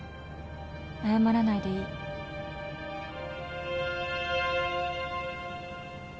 謝らないでいい。